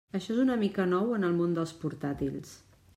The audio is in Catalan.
Això és una mica nou en el món dels portàtils.